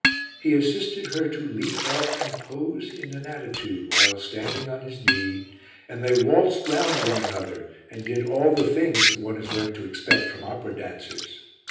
He assisted her to leap up and pose in an attitude while standing on his knee, and they waltzed round one another and did all the things that one has learnt to expect from opera dancers.